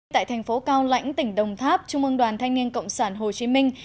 tại thành phố cao lãnh tỉnh đồng tháp trung ương đoàn thanh niên cộng sản hồ chí minh